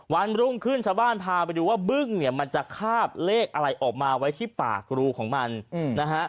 วันรุ่งขึ้นชาวบ้านพาไปดูว่าบึ้งเนี่ยมันจะคาบเลขอะไรออกมาไว้ที่ปากรูของมันนะฮะ